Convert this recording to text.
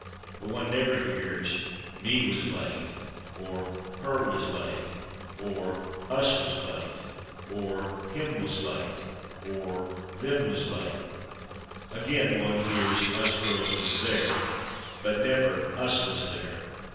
But one never hears "/me/ was late" or "/her/ was late" or "/us/ was late" or "/him/ was late" or "/them/ was late." Again, one hears "/us/ girls was there" but never "/us/ was there."